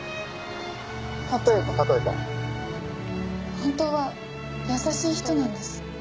本当は優しい人なんです。